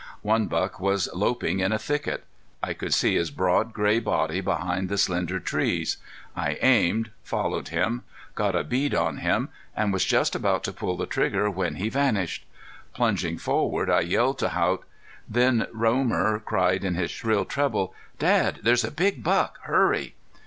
One buck was loping in a thicket. I could see his broad, gray body behind the slender trees. I aimed followed him got a bead on him and was just about to pull trigger when he vanished. Plunging forward I yelled to Haught. Then Romer cried in his shrill treble: "Dad, here's a big buck hurry!"